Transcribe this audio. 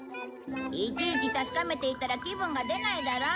いちいち確かめていたら気分が出ないだろ。